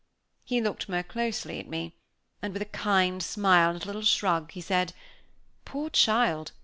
He looked more closely at me, and with a kind smile, and a little shrug, he said, "Poor child!